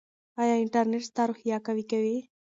ایا انټرنیټ ستا روحیه قوي کوي؟